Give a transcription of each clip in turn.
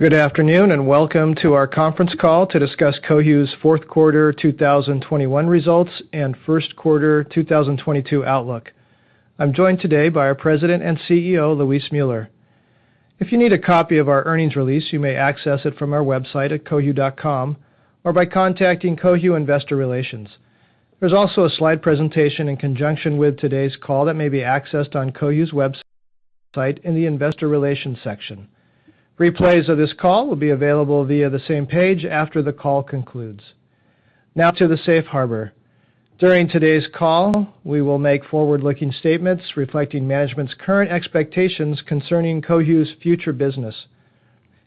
Good afternoon, and welcome to our conference call to discuss Cohu's fourth quarter 2021 results and first quarter 2022 outlook. I'm joined today by our President and CEO, Luis Müller. If you need a copy of our earnings release, you may access it from our website at cohu.com or by contacting Cohu Investor Relations. There's also a slide presentation in conjunction with today's call that may be accessed on Cohu's website in the investor relations section. Replays of this call will be available via the same page after the call concludes. Now to the Safe Harbor. During today's call, we will make forward-looking statements reflecting management's current expectations concerning Cohu's future business.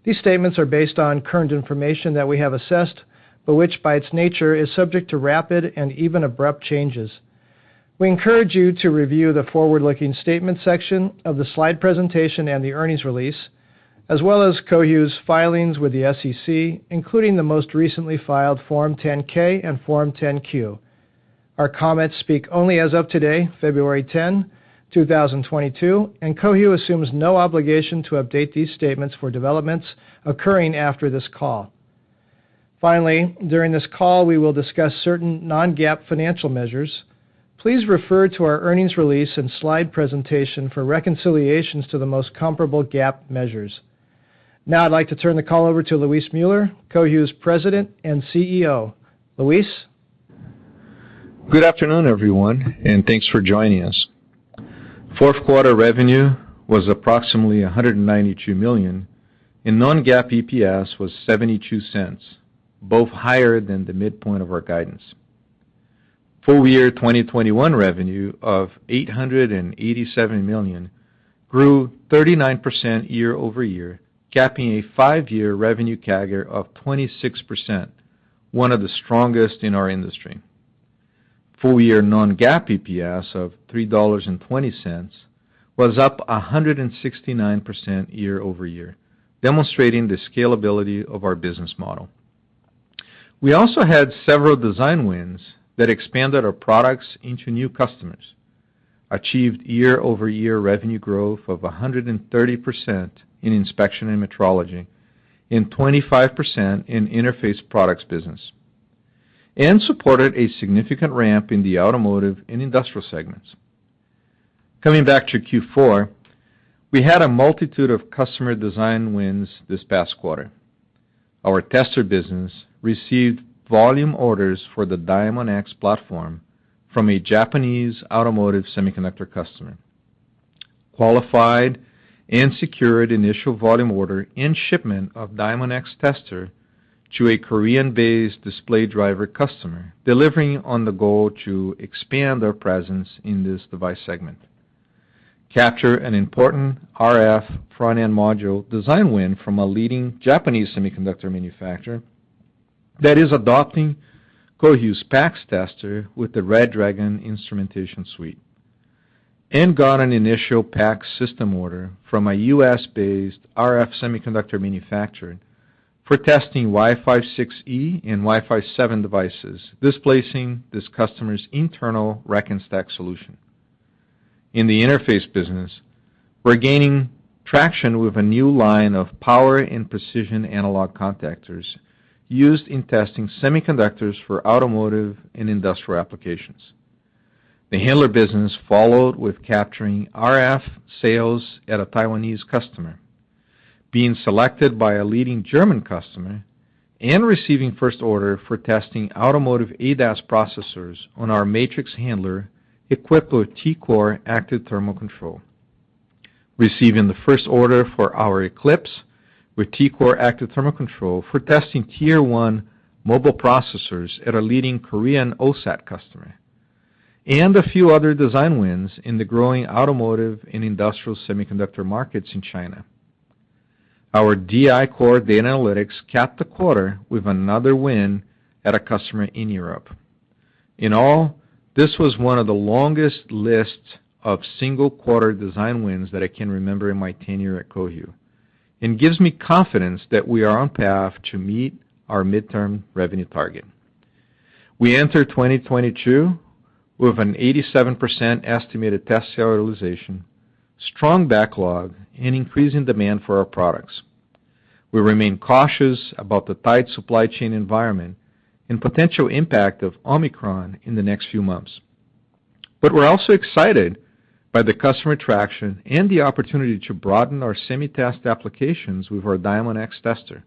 These statements are based on current information that we have assessed, but which by its nature is subject to rapid and even abrupt changes. We encourage you to review the forward-looking statement section of the slide presentation and the earnings release, as well as Cohu's filings with the SEC, including the most recently filed Form 10-K and Form 10-Q. Our comments speak only as of today, February 10, 2022, and Cohu assumes no obligation to update these statements for developments occurring after this call. Finally, during this call, we will discuss certain non-GAAP financial measures. Please refer to our earnings release and slide presentation for reconciliations to the most comparable GAAP measures. Now I'd like to turn the call over to Luis Müller, Cohu's President and CEO. Luis? Good afternoon, everyone, and thanks for joining us. Fourth quarter revenue was approximately $192 million, and non-GAAP EPS was $0.72, both higher than the midpoint of our guidance. Full year 2021 revenue of $887 million grew 39% year-over-year, capping a five-year revenue CAGR of 26%, one of the strongest in our industry. Full year non-GAAP EPS of $3.20 was up 169% year-over-year, demonstrating the scalability of our business model. We also had several design wins that expanded our products into new customers, achieved year-over-year revenue growth of 130% in inspection and metrology, and 25% in interface products business, and supported a significant ramp in the automotive and industrial segments. Coming back to Q4, we had a multitude of customer design wins this past quarter. Our tester business received volume orders for the Diamondx platform from a Japanese automotive semiconductor customer; qualified and secured initial volume order and shipment of Diamondx tester to a Korean-based display driver customer, delivering on the goal to expand our presence in this device segment; capture an important RF front-end module design win from a leading Japanese semiconductor manufacturer that is adopting Cohu's PAx tester with the RedDragon RF instrumentation suite; and got an initial PAx system order from a U.S.-based RF semiconductor manufacturer for testing Wi-Fi 6E and Wi-Fi 7 devices, displacing this customer's internal rack-and-stack solution. In the interface business, we're gaining traction with a new line of power and precision analog contactors used in testing semiconductors for automotive and industrial applications. The handler business followed with capturing RF sales at a Taiwanese customer, being selected by a leading German customer, and receiving first order for testing automotive ADAS processors on our MATRiX handler equipped with T-Core active thermal control. Receiving the first order for our Eclipse with T-Core active thermal control for testing Tier 1 mobile processors at a leading Korean OSAT customer. A few other design wins in the growing automotive and industrial semiconductor markets in China. Our DI-Core data analytics capped the quarter with another win at a customer in Europe. In all, this was one of the longest lists of single quarter design wins that I can remember in my tenure at Cohu and gives me confidence that we are on path to meet our midterm revenue target. We enter 2022 with an 87% estimated test sale utilization, strong backlog, and increasing demand for our products. We remain cautious about the tight supply chain environment and potential impact of Omicron in the next few months. We're also excited by the customer traction and the opportunity to broaden our Semitest applications with our Diamondx tester,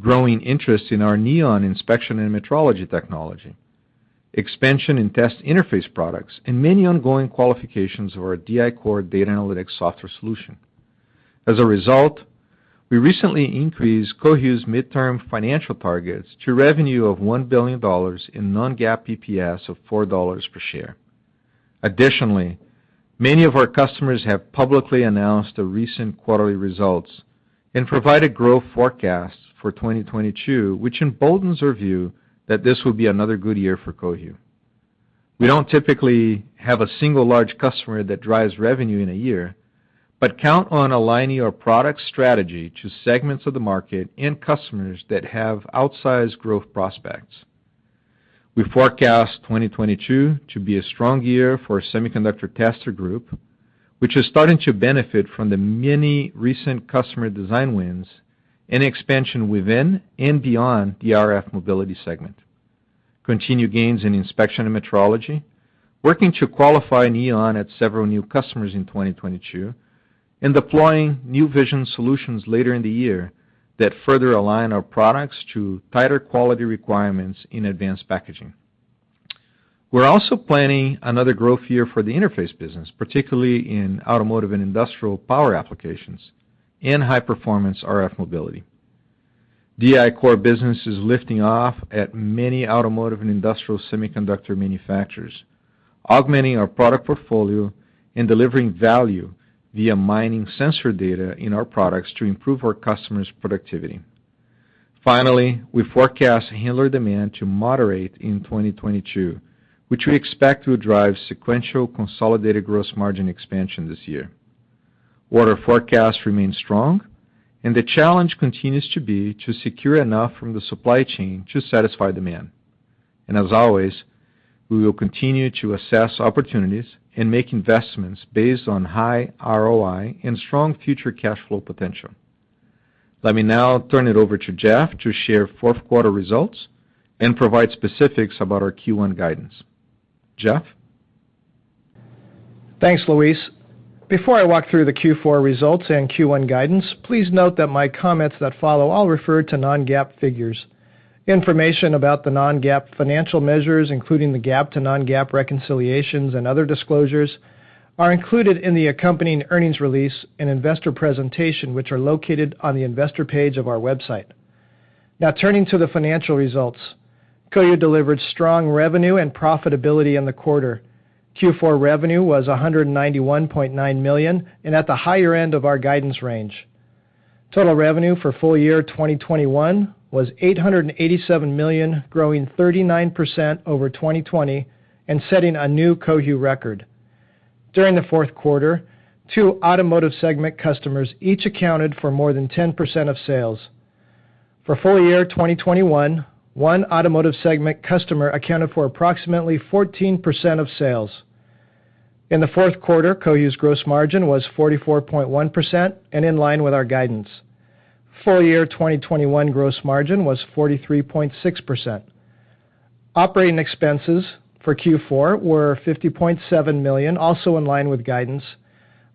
growing interest in our Neon inspection and metrology technology, expansion in test interface products, and many ongoing qualifications of our DI-Core data analytics software solution. As a result, we recently increased Cohu's midterm financial targets to revenue of $1 billion in non-GAAP EPS of $4 per share. Additionally, many of our customers have publicly announced the recent quarterly results and provided growth forecasts for 2022, which emboldens our view that this will be another good year for Cohu. We don't typically have a single large customer that drives revenue in a year, but count on aligning our product strategy to segments of the market and customers that have outsized growth prospects. We forecast 2022 to be a strong year for our semiconductor tester group, which is starting to benefit from the many recent customer design wins and expansion within and beyond the RF mobility segment, continued gains in inspection and metrology, working to qualify a Neon at several new customers in 2022, and deploying new vision solutions later in the year that further align our products to tighter quality requirements in advanced packaging. We're also planning another growth year for the interface business, particularly in automotive and industrial power applications and high-performance RF mobility. DI-Core business is lifting off at many automotive and industrial semiconductor manufacturers, augmenting our product portfolio and delivering value via mining sensor data in our products to improve our customers' productivity. Finally, we forecast handler demand to moderate in 2022, which we expect will drive sequential consolidated gross margin expansion this year. Order forecasts remain strong, and the challenge continues to be to secure enough from the supply chain to satisfy demand. As always, we will continue to assess opportunities and make investments based on high ROI and strong future cash flow potential. Let me now turn it over to Jeff to share fourth quarter results and provide specifics about our Q1 guidance. Jeff? Thanks, Luis. Before I walk through the Q4 results and Q1 guidance, please note that my comments that follow all refer to non-GAAP figures. Information about the non-GAAP financial measures, including the GAAP to non-GAAP reconciliations and other disclosures, are included in the accompanying earnings release and investor presentation, which are located on the Investor page of our website. Now turning to the financial results. Cohu delivered strong revenue and profitability in the quarter. Q4 revenue was $191.9 million and at the higher end of our guidance range. Total revenue for full year 2021 was $887 million, growing 39% over 2020 and setting a new Cohu record. During the fourth quarter, two automotive segment customers each accounted for more than 10% of sales. For full year 2021, one automotive segment customer accounted for approximately 14% of sales. In the fourth quarter, Cohu's gross margin was 44.1% and in line with our guidance. Full year 2021 gross margin was 43.6%. Operating expenses for Q4 were $50.7 million, also in line with guidance.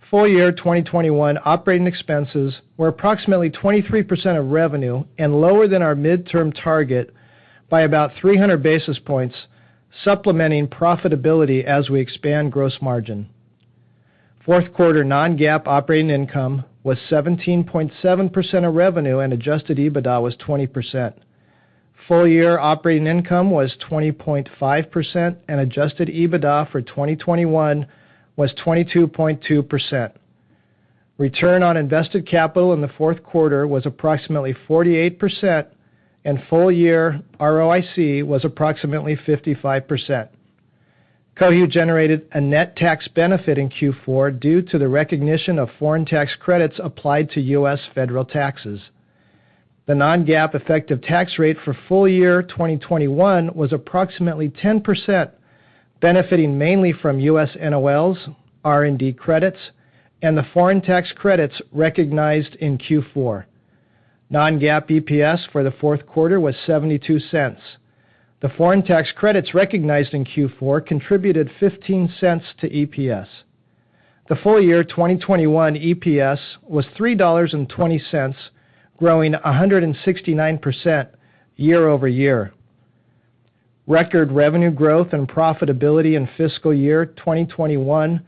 Full year 2021 operating expenses were approximately 23% of revenue and lower than our midterm target by about 300 basis points, supplementing profitability as we expand gross margin. Fourth quarter non-GAAP operating income was 17.7% of revenue, and adjusted EBITDA was 20%. Full year operating income was 20.5%, and adjusted EBITDA for 2021 was 22.2%. Return on invested capital in the fourth quarter was approximately 48%, and full year ROIC was approximately 55%. Cohu generated a net tax benefit in Q4 due to the recognition of foreign tax credits applied to U.S. federal taxes. The non-GAAP effective tax rate for full year 2021 was approximately 10%, benefiting mainly from U.S. NOLs, R&D credits, and the foreign tax credits recognized in Q4. Non-GAAP EPS for the fourth quarter was $0.72. The foreign tax credits recognized in Q4 contributed $0.15 to EPS. The full year 2021 EPS was $3.20, growing 169% year-over-year. Record revenue growth and profitability in fiscal year 2021,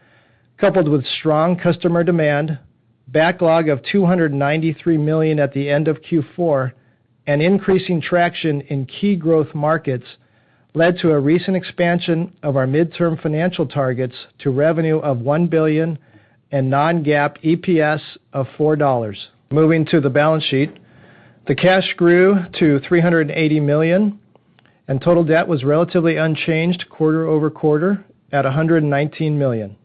coupled with strong customer demand, backlog of $293 million at the end of Q4, and increasing traction in key growth markets, led to a recent expansion of our mid-term financial targets to revenue of $1 billion and non-GAAP EPS of $4. Moving to the balance sheet, the cash grew to $380 million, and total debt was relatively unchanged quarter-over-quarter at $119 million.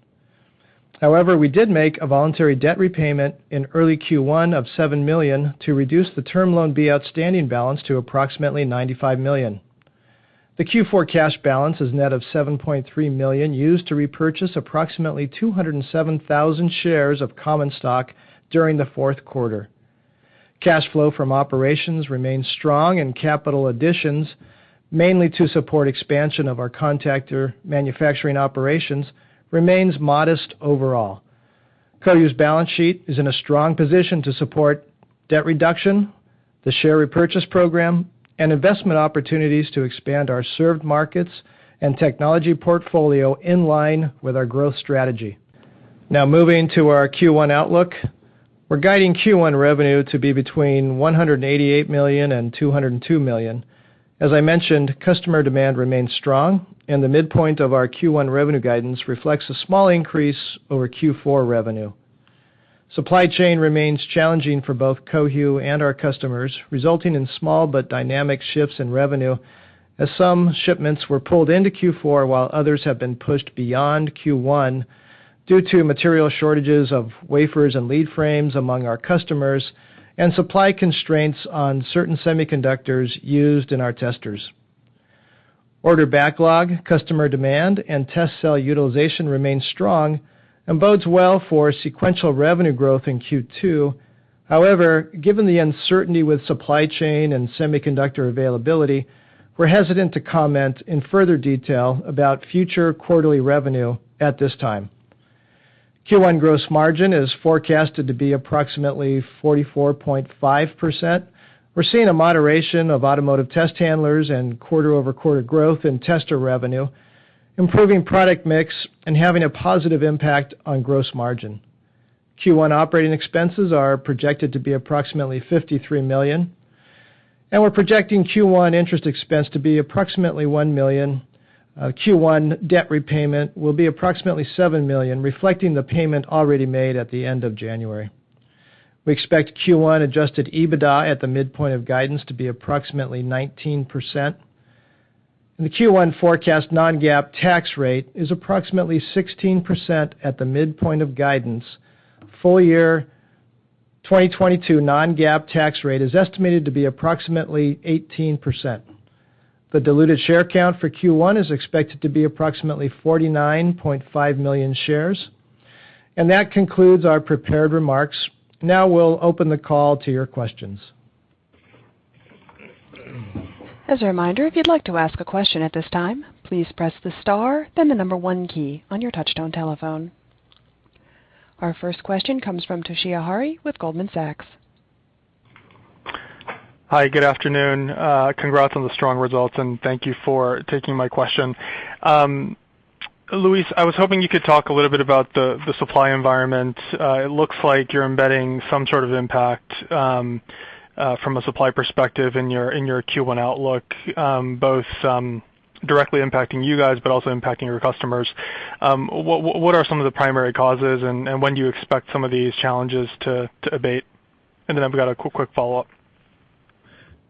However, we did make a voluntary debt repayment in early Q1 of $7 million to reduce the Term Loan B outstanding balance to approximately $95 million. The Q4 cash balance is net of $7.3 million used to repurchase approximately 207,000 shares of common stock during the fourth quarter. Cash flow from operations remains strong, and capital additions, mainly to support expansion of our contactor manufacturing operations, remains modest overall. Cohu's balance sheet is in a strong position to support debt reduction, the share repurchase program, and investment opportunities to expand our served markets and technology portfolio in line with our growth strategy. Now moving to our Q1 outlook. We're guiding Q1 revenue to be between $188 million and $202 million. As I mentioned, customer demand remains strong, and the midpoint of our Q1 revenue guidance reflects a small increase over Q4 revenue. Supply chain remains challenging for both Cohu and our customers, resulting in small but dynamic shifts in revenue as some shipments were pulled into Q4 while others have been pushed beyond Q1 due to material shortages of wafers and lead frames among our customers, and supply constraints on certain semiconductors used in our testers. Order backlog, customer demand, and test cell utilization remains strong and bodes well for sequential revenue growth in Q2. However, given the uncertainty with supply chain and semiconductor availability, we're hesitant to comment in further detail about future quarterly revenue at this time. Q1 gross margin is forecasted to be approximately 44.5%. We're seeing a moderation of automotive test handlers and quarter-over-quarter growth in tester revenue, improving product mix and having a positive impact on gross margin. Q1 operating expenses are projected to be approximately $53 million, and we're projecting Q1 interest expense to be approximately $1 million. Q1 debt repayment will be approximately $7 million, reflecting the payment already made at the end of January. We expect Q1 adjusted EBITDA at the midpoint of guidance to be approximately 19%. The Q1 forecast non-GAAP tax rate is approximately 16% at the midpoint of guidance. Full year 2022 non-GAAP tax rate is estimated to be approximately 18%. The diluted share count for Q1 is expected to be approximately 49.5 million shares. That concludes our prepared remarks. Now we'll open the call to your questions. As a reminder, if you'd like to ask a question at this time, please press the star, then the number one key on your touch-tone telephone. Our first question comes from Toshiya Hari with Goldman Sachs. Hi, good afternoon. Congrats on the strong results, and thank you for taking my question. Luis, I was hoping you could talk a little bit about the supply environment. It looks like you're embedding some sort of impact from a supply perspective in your Q1 outlook, both directly impacting you guys, but also impacting your customers. What are some of the primary causes, and when do you expect some of these challenges to abate? I've got a quick follow-up.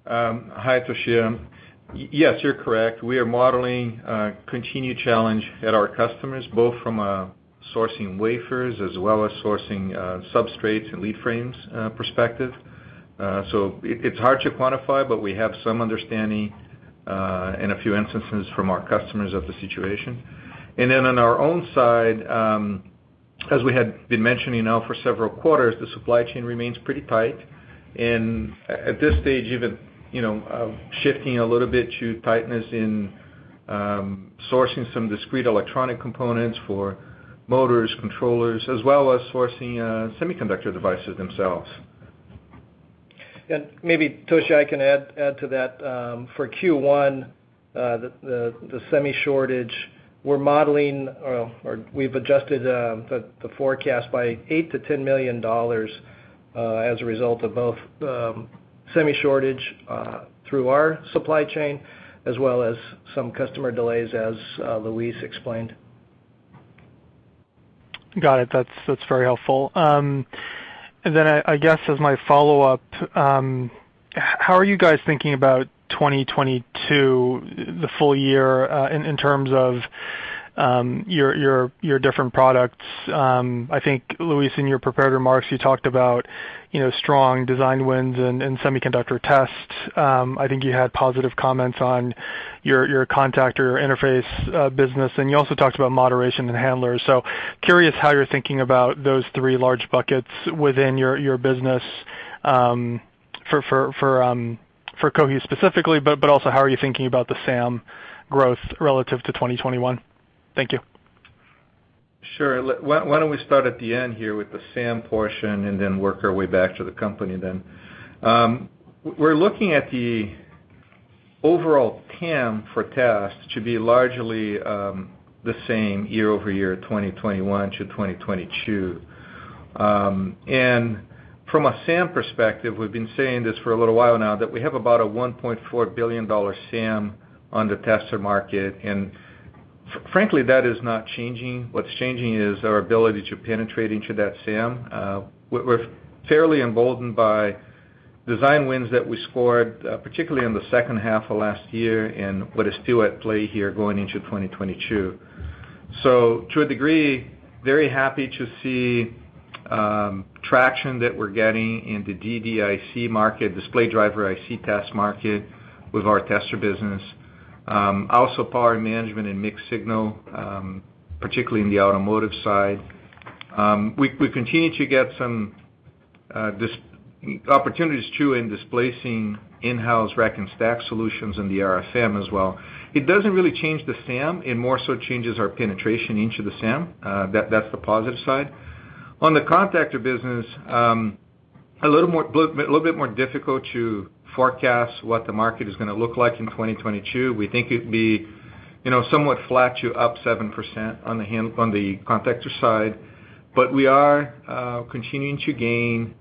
Hi, Toshiya. Yes, you're correct. We are modeling a continued challenge at our customers, both from a sourcing wafers as well as sourcing substrates and lead frames perspective. So it's hard to quantify, but we have some understanding in a few instances from our customers of the situation. Then on our own side, as we had been mentioning now for several quarters, the supply chain remains pretty tight. At this stage, even you know, shifting a little bit to tightness in sourcing some discrete electronic components for motors, controllers, as well as sourcing semiconductor devices themselves. Maybe, Toshiya, I can add to that. For Q1, the semi shortage we're modeling or we've adjusted the forecast by $8 million-$10 million as a result of both semi shortage through our supply chain, as well as some customer delays, as Luis explained. Got it. That's very helpful. I guess as my follow-up. How are you guys thinking about 2022, the full year, in terms of your different products? I think Luis, in your prepared remarks, you talked about, you know, strong design wins and semiconductor tests. I think you had positive comments on your contactor interface business, and you also talked about moderation in handlers. Curious how you're thinking about those three large buckets within your business for Cohu specifically, but also how are you thinking about the SAM growth relative to 2021? Thank you. Sure. Why, why don't we start at the end here with the SAM portion and then work our way back to the company then. We're looking at the overall TAM for tests to be largely the same year-over-year, 2021-2022. From a SAM perspective, we've been saying this for a little while now, that we have about a $1.4 billion SAM on the tester market. Frankly, that is not changing. What's changing is our ability to penetrate into that SAM. We're fairly emboldened by design wins that we scored, particularly in the second half of last year and what is still at play here going into 2022. To a degree, very happy to see traction that we're getting in the DDIC market, display driver IC test market with our tester business. Also power management and mixed signal, particularly in the automotive side. We continue to get some opportunities too, in displacing in-house rack-and-stack solutions in the RF-FEM as well. It doesn't really change the SAM, it more so changes our penetration into the SAM. That's the positive side. On the contactor business, a little bit more difficult to forecast what the market is gonna look like in 2022. We think it'd be, you know, somewhat flat to up 7% on the contactor side. But we are continuing to gain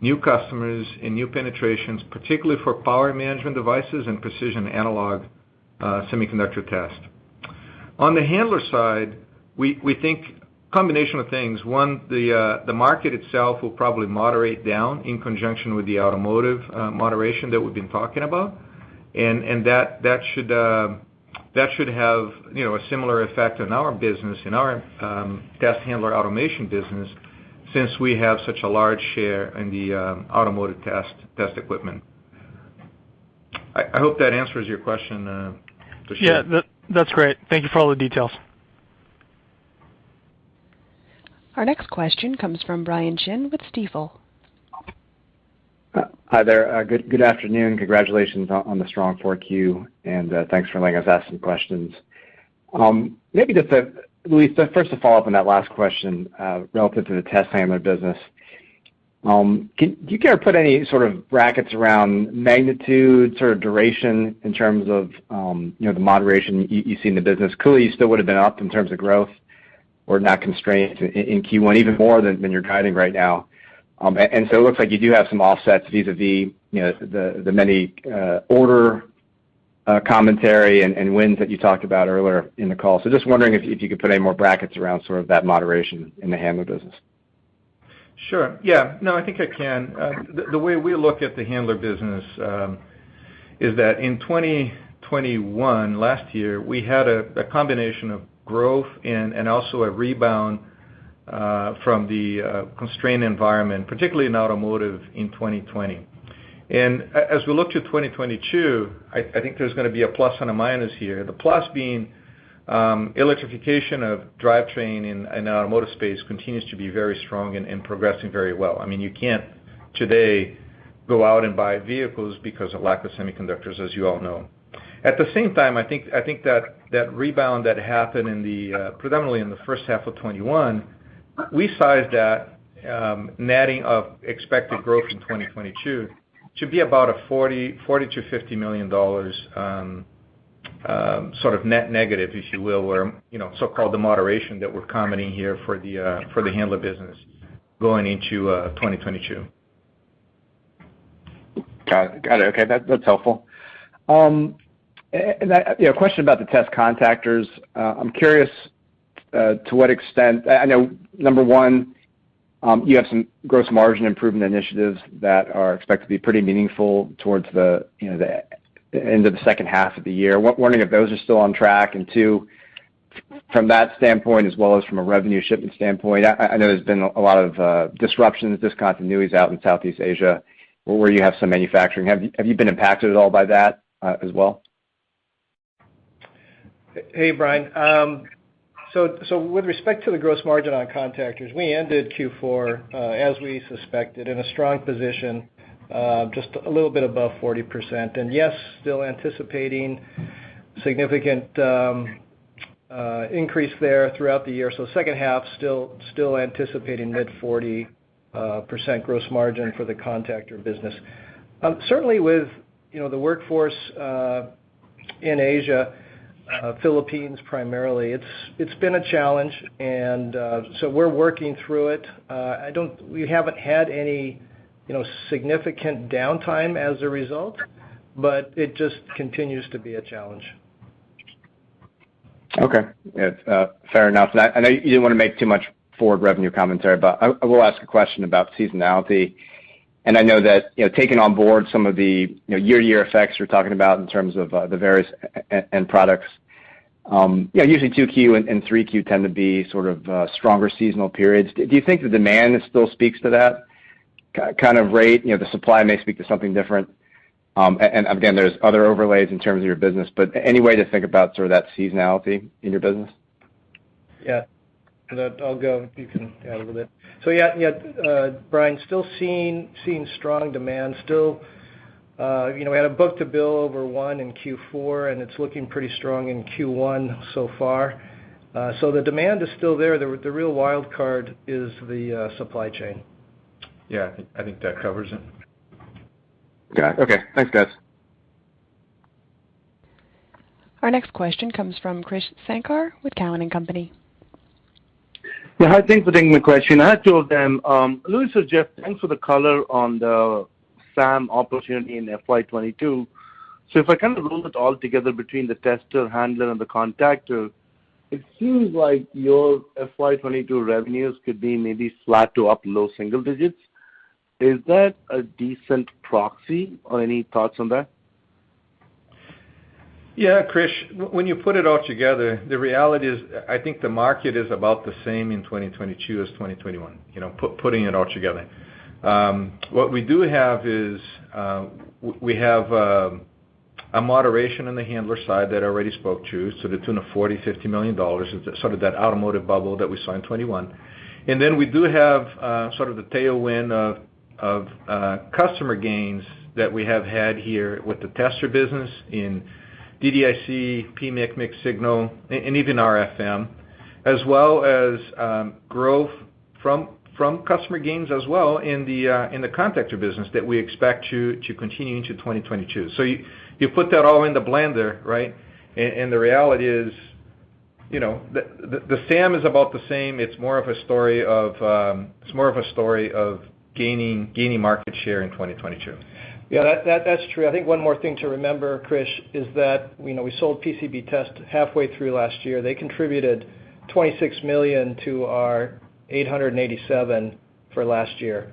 new customers and new penetrations, particularly for power management devices and precision analog semiconductor test. On the handler side, we think combination of things. One, the market itself will probably moderate down in conjunction with the automotive moderation that we've been talking about, and that should have, you know, a similar effect on our business in our test handler automation business. Since we have such a large share in the automotive test equipment. I hope that answers your question for sure. Yeah. That's great. Thank you for all the details. Our next question comes from Brian Chin with Stifel. Hi there. Good afternoon. Congratulations on the strong 4Q, and thanks for letting us ask some questions. Luis, first to follow up on that last question, relative to the test handler business, do you care to put any sort of brackets around magnitude, sort of duration in terms of you know, the moderation you see in the business? Clearly, you still would've been up in terms of growth or not constrained in Q1, even more than you're guiding right now. It looks like you do have some offsets vis-a-vis you know, the many order commentary and wins that you talked about earlier in the call. Just wondering if you could put any more brackets around sort of that moderation in the handler business. Sure. Yeah. No, I think I can. The way we look at the handler business is that in 2021 last year, we had a combination of growth and also a rebound from the constrained environment, particularly in automotive in 2020. As we look to 2022, I think there's gonna be a plus and a minus here, the plus being electrification of drivetrain in the automotive space continues to be very strong and progressing very well. I mean, you can't today go out and buy vehicles because of lack of semiconductors, as you all know. At the same time, I think that rebound that happened predominantly in the first half of 2021, we sized that netting of expected growth in 2022 to be about a $40 million-$50 million sort of net negative, if you will, where you know, the so-called moderation that we're commenting here for the handler business going into 2022. Got it. Okay. That's helpful. I, you know, a question about the test contactors. I'm curious to what extent. I know, number one, you have some gross margin improvement initiatives that are expected to be pretty meaningful towards the, you know, the end of the second half of the year. Wondering if those are still on track. Two, from that standpoint as well as from a revenue shipment standpoint, I know there's been a lot of disruptions, discontinuities out in Southeast Asia where you have some manufacturing. Have you been impacted at all by that, as well? Hey, Brian. So with respect to the gross margin on contactors, we ended Q4 as we suspected in a strong position, just a little bit above 40%. Yes, still anticipating significant increase there throughout the year. Second half, still anticipating mid-40% gross margin for the contactor business. Certainly with, you know, the workforce in Asia, Philippines primarily, it's been a challenge, so we're working through it. We haven't had any, you know, significant downtime as a result, but it just continues to be a challenge. Okay. Yeah. Fair enough. I know you didn't wanna make too much forward revenue commentary, but I will ask a question about seasonality. I know that, you know, taking on board some of the, you know, year-to-year effects you're talking about in terms of the various end products, you know, usually 2Q and 3Q tend to be sort of stronger seasonal periods. Do you think the demand still speaks to that kind of rate? You know, the supply may speak to something different. And again, there's other overlays in terms of your business, but any way to think about sort of that seasonality in your business? Yeah, you can add a little bit. Yeah, Brian, still seeing strong demand. Still, you know, we had a book-to-bill over one in Q4, and it's looking pretty strong in Q1 so far. The demand is still there. The real wild card is the supply chain. Yeah. I think that covers it. Yeah. Okay. Thanks, guys. Our next question comes from Krish Sankar with Cowen and Company. Yeah. Hi, thanks for taking my question. I had two of them. Luis or Jeff, thanks for the color on the SAM opportunity in FY 2022. If I kind of roll it all together between the tester, handler, and the contactor, it seems like your FY 2022 revenues could be maybe flat to up low single digits. Is that a decent proxy? Or any thoughts on that? Yeah, Krish. When you put it all together, the reality is, I think the market is about the same in 2022 as 2021, you know, putting it all together. What we do have is, we have a moderation in the handler side that I already spoke to the tune of $40 million-$50 million of sort of that automotive bubble that we saw in 2021. Then we do have sort of the tailwind of customer gains that we have had here with the tester business in DDIC, PMIC, mixed signal, and even RF-FEM, as well as growth from customer gains as well in the contactor business that we expect to continue into 2022. So you put that all in the blender, right? The reality is, you know, the SAM is about the same. It's more of a story of gaining market share in 2022. Yeah. That's true. I think one more thing to remember, Krish, is that, you know, we sold PCB Test halfway through last year. They contributed $26 million to our $887 million for last year.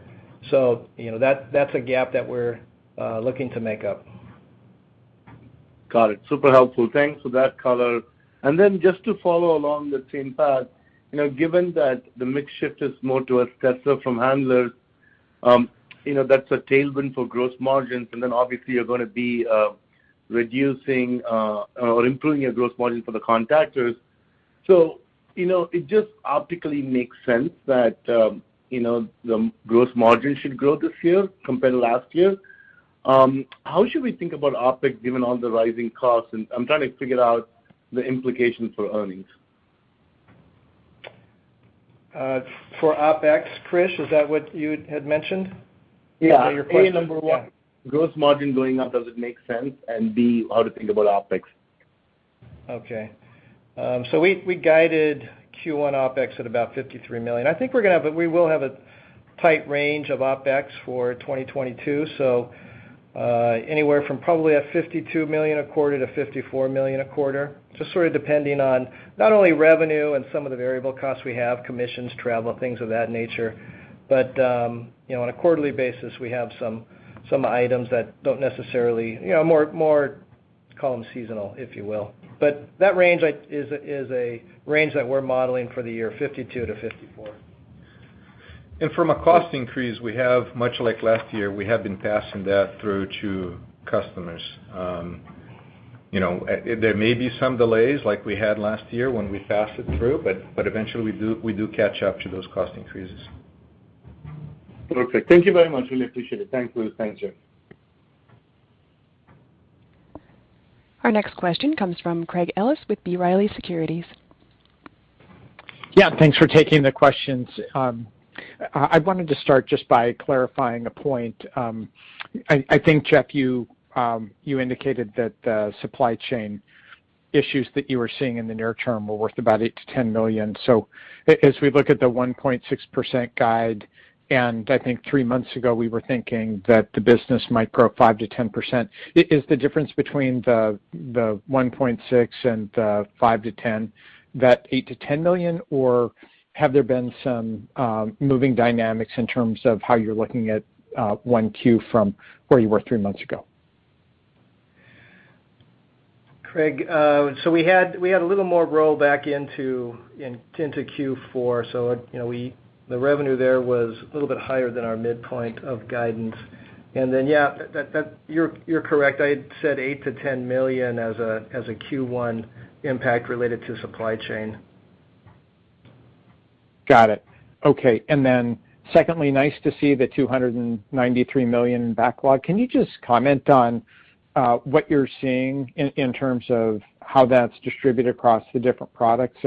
You know, that's a gap that we're looking to make up. Got it. Super helpful. Thanks for that color. Just to follow along the same path, you know, given that the mix shift is more towards tester from handlers, you know, that's a tailwind for gross margins, and then obviously you're gonna be reducing or improving your gross margin for the contactors. You know, it just optically makes sense that, you know, the gross margin should grow this year compared to last year. How should we think about OpEx given all the rising costs? I'm trying to figure out the implications for earnings. For OpEx, Krish, is that what you had mentioned? Yeah. Is that your question? A, number one, gross margin going up, does it make sense? B, how to think about OpEx? Okay. We guided Q1 OpEx at about $53 million. I think we will have a tight range of OpEx for 2022, anywhere from probably $52 million a quarter to $54 million a quarter. Just sort of depending on not only revenue and some of the variable costs we have, commissions, travel, things of that nature. You know, on a quarterly basis, we have some items that don't necessarily, you know, more, let's call them seasonal, if you will. That range is a range that we're modeling for the year, $52 million-$54 million. From a cost increase, we have, much like last year, we have been passing that through to customers. You know, there may be some delays like we had last year when we passed it through, but eventually we do catch up to those cost increases. Perfect. Thank you very much. Really appreciate it. Thanks, Luis. Thanks, Jeff. Our next question comes from Craig Ellis with B. Riley Securities. Yeah. Thanks for taking the questions. I wanted to start just by clarifying a point. I think, Jeff, you indicated that the supply chain issues that you were seeing in the near-term were worth about $8 million-$10 million. As we look at the 1.6% guide, and I think three months ago, we were thinking that the business might grow 5%-10%, is the difference between the 1.6% and the 5%-10%, that $8 million-$10 million, or have there been some moving dynamics in terms of how you're looking at 1Q from where you were three months ago? Craig, we had a little more rollback into Q4. You know, the revenue there was a little bit higher than our midpoint of guidance. Yeah, that you're correct. I had said $8 million-$10 million as a Q1 impact related to supply chain. Got it. Okay. Then secondly, nice to see the $293 million in backlog. Can you just comment on what you're seeing in terms of how that's distributed across the different products?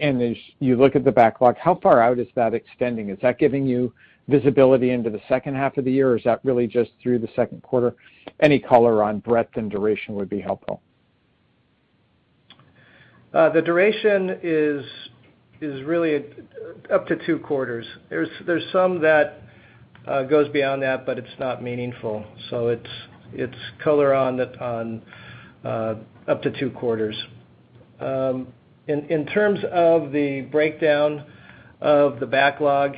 And as you look at the backlog, how far out is that extending? Is that giving you visibility into the second half of the year, or is that really just through the second quarter? Any color on breadth and duration would be helpful. The duration is really up to two quarters. There's some that goes beyond that, but it's not meaningful. It's color on up to two quarters. In terms of the breakdown of the backlog,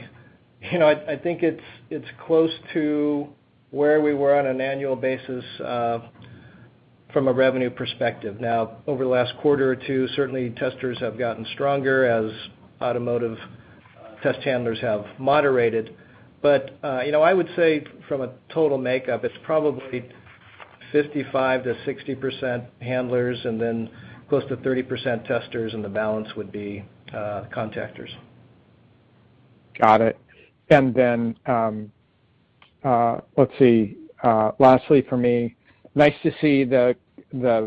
you know, I think it's close to where we were on an annual basis from a revenue perspective. Now, over the last quarter or two, certainly testers have gotten stronger as automotive test handlers have moderated. You know, I would say from a total makeup, it's probably 55%-60% handlers, and then close to 30% testers, and the balance would be contactors. Got it. Lastly for me, nice to see the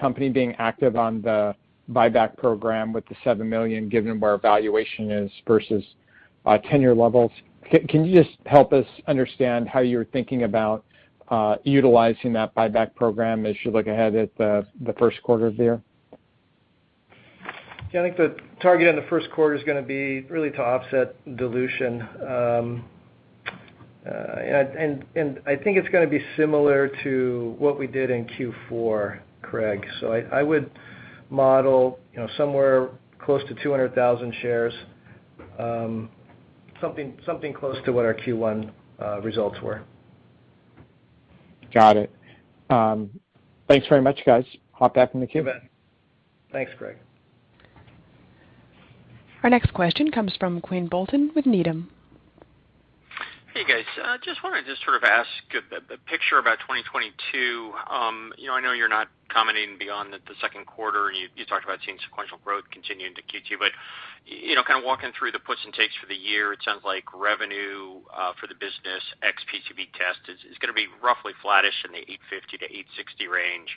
company being active on the buyback program with the 7 million, given where valuation is versus 10-year levels. Can you just help us understand how you're thinking about utilizing that buyback program as you look ahead at the first quarter there? Yeah, I think the target in the first quarter is gonna be really to offset dilution. I think it's gonna be similar to what we did in Q4, Craig. I would model, you know, somewhere close to 200,000 shares, something close to what our Q1 results were. Got it. Thanks very much, guys. Hop back in the queue. Thanks, Craig. Our next question comes from Quinn Bolton with Needham. Hey, guys. Just wanted to sort of ask a question about 2022. You know, I know you're not commenting beyond the second quarter, and you talked about seeing sequential growth continuing to Q2. You know, kind of walking through the puts and takes for the year, it sounds like revenue for the business ex-PCB Test is gonna be roughly flattish in the $850 million-$860 million range.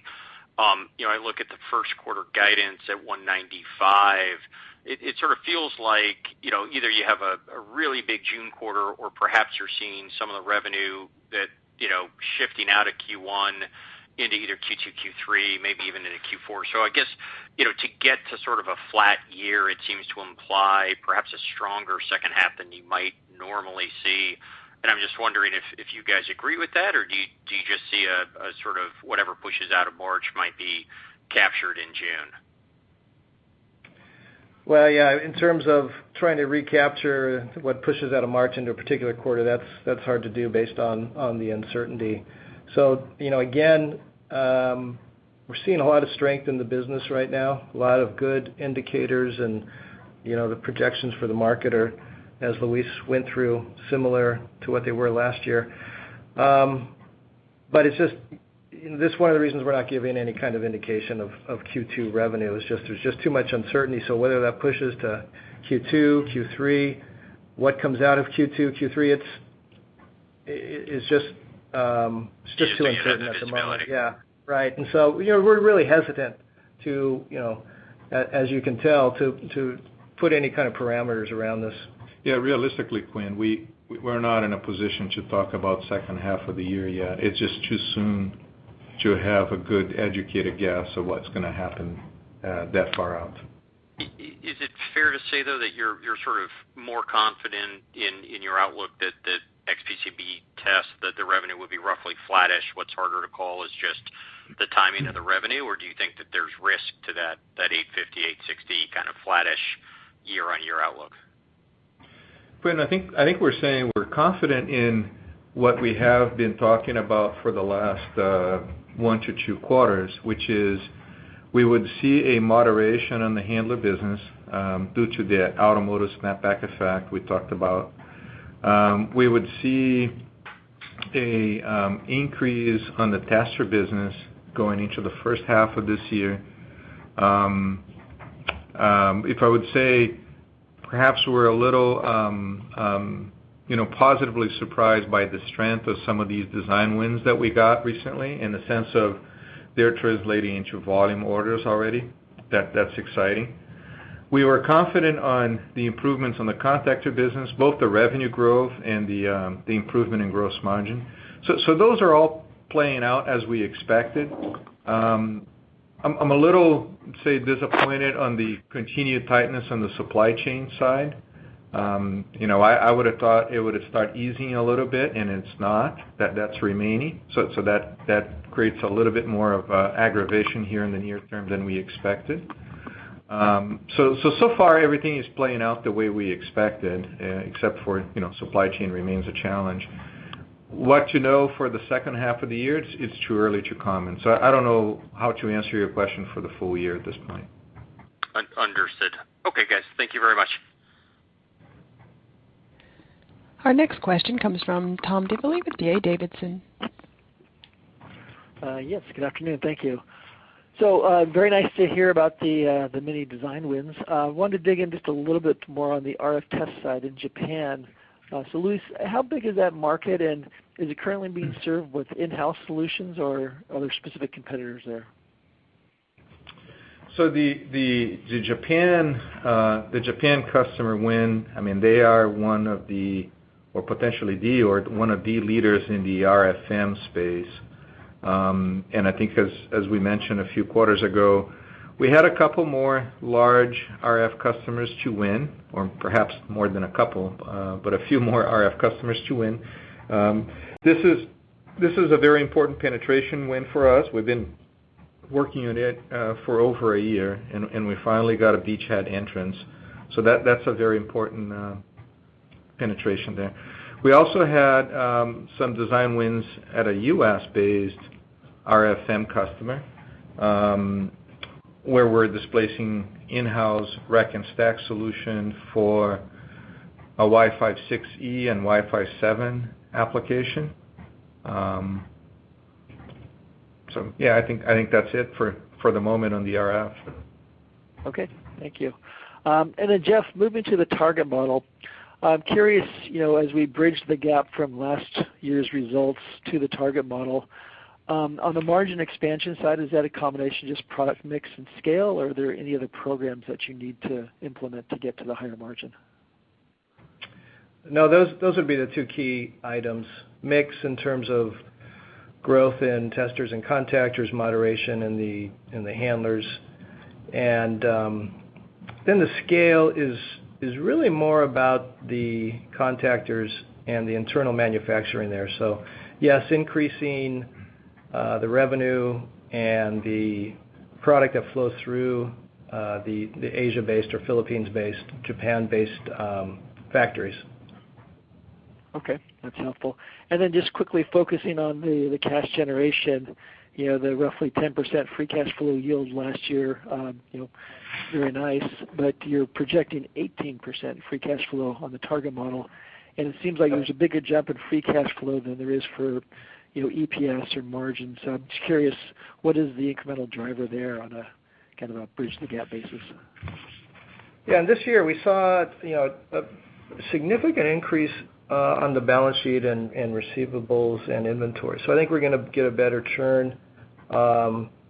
You know, I look at the first quarter guidance at $195 million. It sort of feels like, you know, either you have a really big June quarter or perhaps you're seeing some of the revenue that, you know, shifting out of Q1 into either Q2, Q3, maybe even into Q4. I guess, you know, to get to sort of a flat year, it seems to imply perhaps a stronger second half than you might normally see. I'm just wondering if you guys agree with that, or do you just see a sort of whatever pushes out of March might be captured in June? Well, yeah, in terms of trying to recapture what pushes out of March into a particular quarter, that's hard to do based on the uncertainty. You know, again, we're seeing a lot of strength in the business right now, a lot of good indicators. You know, the projections for the market are, as Luis went through, similar to what they were last year. It's just, this is one of the reasons we're not giving any kind of indication of Q2 revenue is just. There's just too much uncertainty. Whether that pushes to Q2, Q3, what comes out of Q2, Q3, it's just too uncertain at the moment. visibility. Yeah. Right. You know, we're really hesitant to, you know, as you can tell, to put any kind of parameters around this. Yeah, realistically, Quinn, we're not in a position to talk about second half of the year yet. It's just too soon to have a good educated guess of what's gonna happen that far out. Is it fair to say, though, that you're sort of more confident in your outlook that the ex-PCB Test, the revenue will be roughly flattish, what's harder to call is just the timing of the revenue? Or do you think that there's risk to that $850 million-$860 million kind of flattish year-on-year outlook? Quinn, I think we're saying we're confident in what we have been talking about for the last one to two quarters, which is we would see a moderation on the handler business due to the automotive snapback effect we talked about. We would see an increase on the tester business going into the first half of this year. If I would say perhaps we're a little, you know, positively surprised by the strength of some of these design wins that we got recently in the sense of they're translating into volume orders already. That's exciting. We were confident on the improvements on the contactor business, both the revenue growth and the improvement in gross margin. Those are all playing out as we expected. I'm a little, say, disappointed on the continued tightness on the supply chain side. You know, I would've thought it would've start easing a little bit, and it's not. That's remaining. That creates a little bit more of aggravation here in the near-term than we expected. So far everything is playing out the way we expected, except for, you know, supply chain remains a challenge. I don't know for the second half of the year, it's too early to comment. I don't know how to answer your question for the full year at this point. Understood. Okay, guys. Thank you very much. Our next question comes from Tom Diffely with D.A. Davidson. Yes, good afternoon. Thank you. Very nice to hear about the mini design wins. Wanted to dig in just a little bit more on the RF test side in Japan. Luis, how big is that market, and is it currently being served with in-house solutions, or are there specific competitors there? The Japan customer win, I mean they are one of the leaders in the RF-FEM space. I think as we mentioned a few quarters ago, we had a couple more large RF customers to win, or perhaps more than a couple, but a few more RF customers to win. This is a very important penetration win for us. We've been working on it for over a year, and we finally got a beachhead entrance. That is a very important penetration there. We also had some design wins at a U.S.-based RF-FEM customer, where we're displacing in-house rack-and-stack solution for a Wi-Fi 6E and Wi-Fi 7 application. Yeah, I think that's it for the moment on the RF. Okay. Thank you. Jeff, moving to the target model. I'm curious, you know, as we bridge the gap from last year's results to the target model, on the margin expansion side, is that a combination of just product mix and scale, or are there any other programs that you need to implement to get to the higher margin? No. Those would be the two key items. Mix in terms of growth in testers and contactors, moderation in the handlers. Then the scale is really more about the contactors and the internal manufacturing there. Yes, increasing the revenue and the product that flows through the Asia-based or Philippines-based, Japan-based factories. Okay. That's helpful. Just quickly focusing on the cash generation. You know, the roughly 10% free cash flow yield last year, you know, very nice, but you're projecting 18% free cash flow on the target model. It seems like there's a bigger jump in free cash flow than there is for, you know, EPS or margin. I'm just curious, what is the incremental driver there on a kind of a bridge-the-gap basis? Yeah. This year we saw, you know, a significant increase on the balance sheet and receivables and inventory. I think we're gonna get a better churn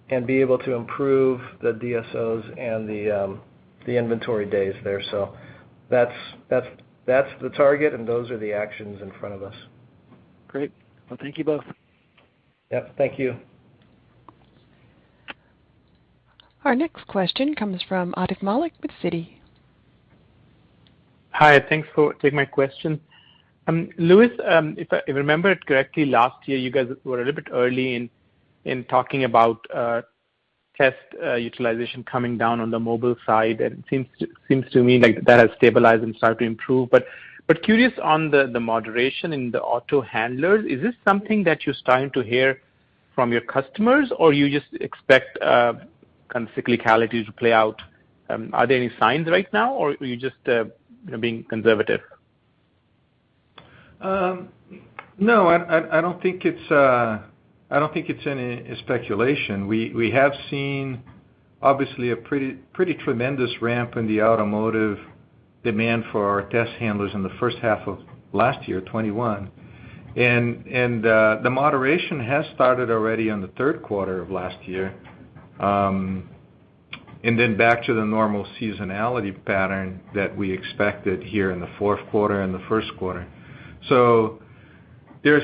and be able to improve the DSOs and the inventory days there. That's the target, and those are the actions in front of us. Great. Well, thank you both. Yep. Thank you. Our next question comes from Atif Malik with Citi. Hi, thanks for taking my question. Luis, if I remember it correctly, last year you guys were a little bit early in talking about test utilization coming down on the mobile side, and it seems to me like that has stabilized and started to improve. Curious on the moderation in the auto handlers, is this something that you're starting to hear from your customers, or you just expect kind of cyclicality to play out? Are there any signs right now, or are you just you know, being conservative? No, I don't think it's any speculation. We have seen obviously a pretty tremendous ramp in the automotive demand for our test handlers in the first half of last year, 2021. The moderation has started already on the third quarter of last year, and then back to the normal seasonality pattern that we expected here in the fourth quarter and the first quarter. There's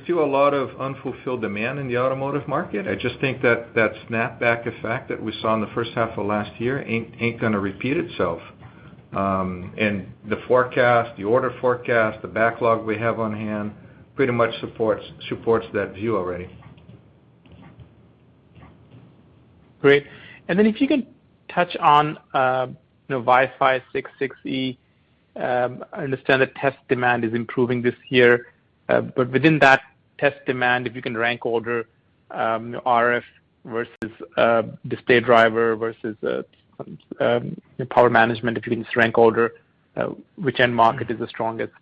still a lot of unfulfilled demand in the automotive market. I just think that snapback effect that we saw in the first half of last year ain't gonna repeat itself. The forecast, the order forecast, the backlog we have on hand pretty much supports that view already. Great. If you can touch on, you know, Wi-Fi 6E. I understand that test demand is improving this year. Within that test demand, if you can rank order, RF versus display driver versus power management. If you can just rank order, which end market is the strongest?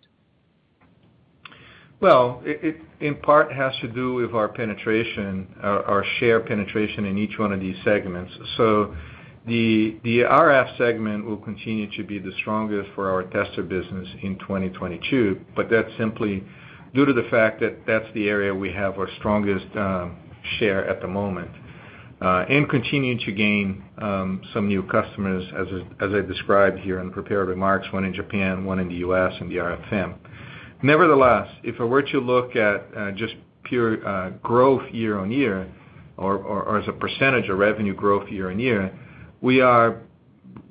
Well, it in part has to do with our penetration. Our share penetration in each one of these segments. The RF segment will continue to be the strongest for our tester business in 2022, but that's simply due to the fact that that's the area we have our strongest share at the moment and continue to gain some new customers as I described here in the prepared remarks, one in Japan, one in the U.S. in the RF-FEM. Nevertheless, if I were to look at just pure growth year-on-year or as a percentage of revenue growth year-on-year, we are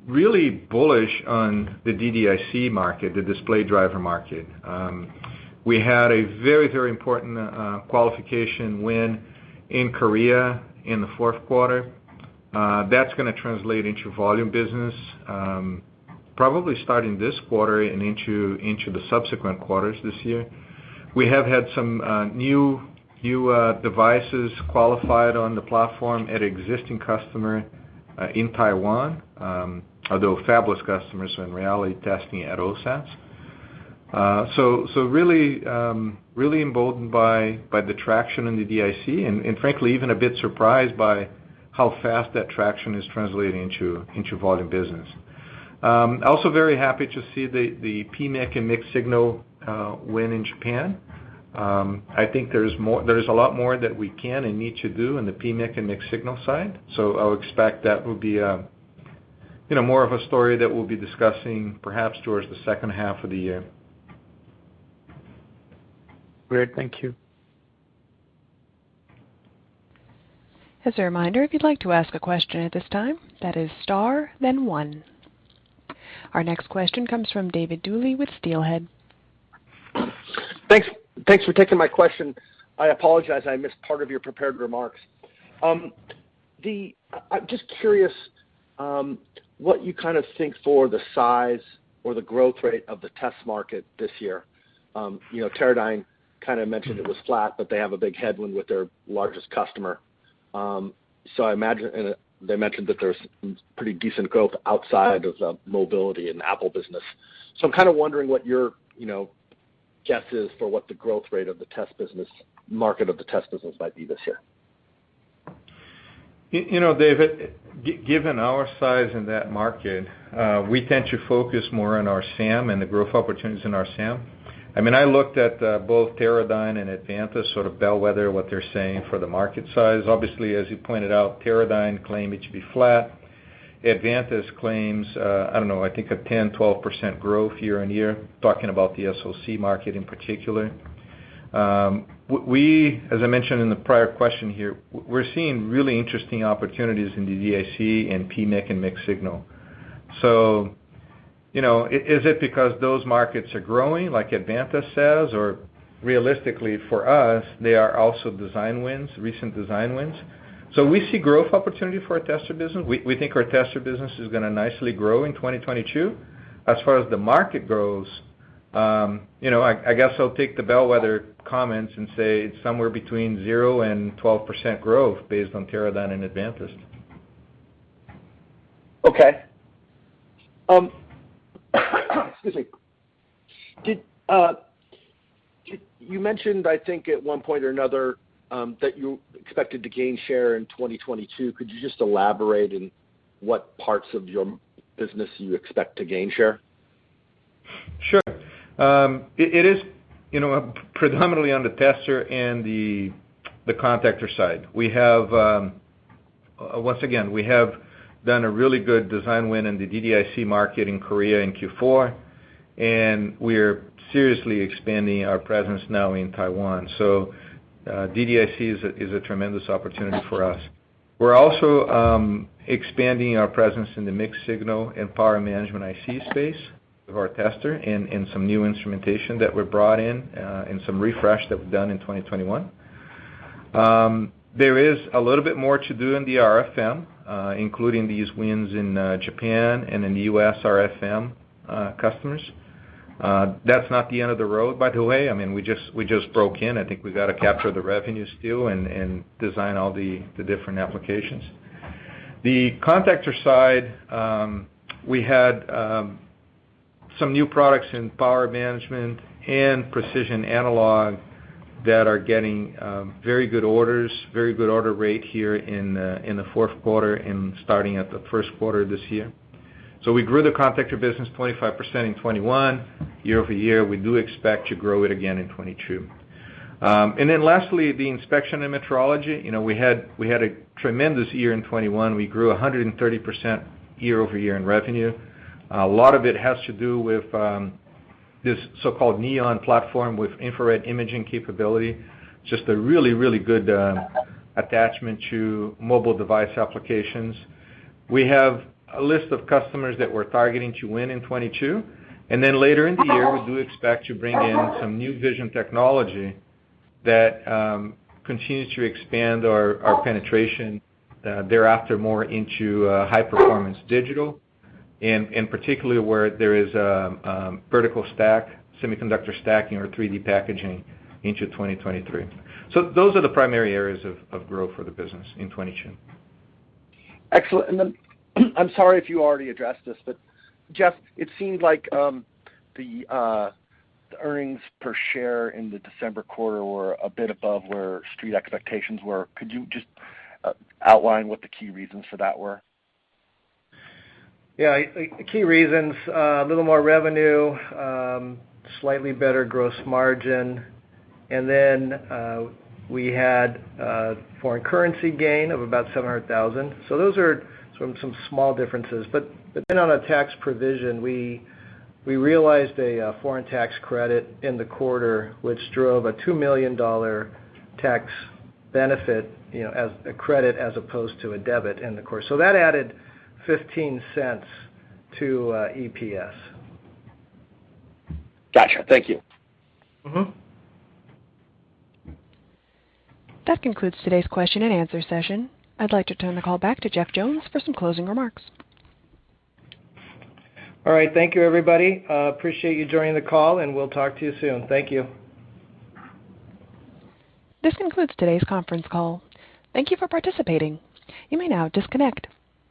really bullish on the DDIC market, the display driver market. We had a very, very important qualification win in Korea in the fourth quarter. That's gonna translate into volume business, probably starting this quarter and into the subsequent quarters this year. We have had some new devices qualified on the platform at existing customer in Taiwan. Although fabless customers in reliability testing at OSATs. Really emboldened by the traction in the DDIC and frankly even a bit surprised by how fast that traction is translating into volume business. Also very happy to see the PMIC and mixed signal win in Japan. I think there's a lot more that we can and need to do in the PMIC and mixed signal side. I'll expect that will be you know, more of a story that we'll be discussing perhaps towards the second half of the year. Great. Thank you. Our next question comes from David Duley with Steelhead. Thanks for taking my question. I apologize I missed part of your prepared remarks. I'm just curious what you kind of think for the size or the growth rate of the test market this year. You know, Teradyne kind of mentioned it was flat, but they have a big headwind with their largest customer. I imagine, they mentioned that there's pretty decent growth outside of the mobility and Apple business. I'm kind of wondering what your guess is for what the growth rate of the test business, market of the test business might be this year. You know, David, given our size in that market, we tend to focus more on our SAM and the growth opportunities in our SAM. I mean, I looked at both Teradyne and ADVANTEST, sort of bellwether what they're saying for the market size. Obviously, as you pointed out, Teradyne claim it should be flat. ADVANTEST claims, I don't know, I think a 10%-12% growth year-on-year, talking about the SoC market in particular. We, as I mentioned in the prior question here, we're seeing really interesting opportunities in DDIC and PMIC and mixed signal. You know, is it because those markets are growing like ADVANTEST says? Or realistically for us, they are also design wins, recent design wins. We see growth opportunity for our tester business. We think our tester business is gonna nicely grow in 2022. As far as the market grows, you know, I guess I'll take the bellwether comments and say it's somewhere between 0% and 12% growth based on Teradyne and ADVANTEST. Okay. Excuse me. Did you mention, I think, at one point or another, that you expected to gain share in 2022? Could you just elaborate in what parts of your business you expect to gain share? Sure. It is, you know, predominantly on the tester and the contactor side. We have once again done a really good design win in the DDIC market in Korea in Q4. We're seriously expanding our presence now in Taiwan. DDIC is a tremendous opportunity for us. We're also expanding our presence in the mixed signal and power management IC space with our tester and some new instrumentation that were brought in and some refresh that we've done in 2021. There is a little bit more to do in the RF-FEM, including these wins in Japan and in the U.S. RF-FEM customers. That's not the end of the road, by the way. I mean, we just broke in. I think we've got to capture the revenues too and design all the different applications. The contactor side, we had some new products in power management and precision analog that are getting very good orders, very good order rate here in the fourth quarter and starting at the first quarter this year. We grew the contactor business 25% in 2021 year-over-year. We do expect to grow it again in 2022. Then lastly, the inspection and metrology. You know, we had a tremendous year in 2021. We grew 130% year-over-year in revenue. A lot of it has to do with this so-called Neon platform with infrared imaging capability. Just a really good attachment to mobile device applications. We have a list of customers that we're targeting to win in 2022, and then later in the year, we do expect to bring in some new vision technology that continues to expand our penetration thereafter more into high-performance digital and particularly where there is vertical stack, semiconductor stacking or 3D packaging into 2023. Those are the primary areas of growth for the business in 2022. I'm sorry if you already addressed this, but Jeff, it seemed like the earnings per share in the December quarter were a bit above where street expectations were. Could you just outline what the key reasons for that were? Yeah. The key reasons a little more revenue, slightly better gross margin. We had foreign currency gain of about $700,000. Those are some small differences. Depending on a tax provision, we realized a foreign tax credit in the quarter, which drove a $2 million tax benefit, you know, as a credit as opposed to a debit in the quarter. That added $0.15 to EPS. Gotcha. Thank you. Mm-hmm. That concludes today's question and answer session. I'd like to turn the call back to Jeff Jones for some closing remarks. All right. Thank you, everybody. Appreciate you joining the call, and we'll talk to you soon. Thank you. This concludes today's conference call. Thank you for participating. You may now disconnect.